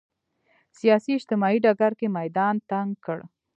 سیاسي اجتماعي ډګر کې میدان تنګ کړ